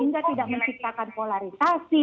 hingga tidak menciptakan polarisasi